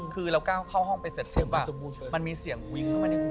คือเราก้าวเข้าห้องไปเสร็จเสียงมันมีเสียงวิ่งเข้ามาในหู